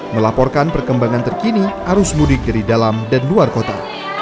melaporkan perkembangan terkini arus mudik dari dalam dan luar kota